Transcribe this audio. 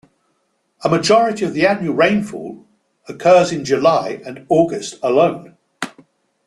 A majority of the annual rainfall of occurs in July and August alone.